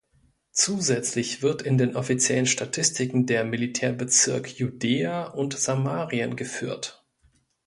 Zusätzlich wird in den offiziellen Statistiken der Militärbezirk Judäa und Samarien geführt.